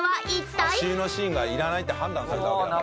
足湯のシーンがいらないって判断されたわけだからね。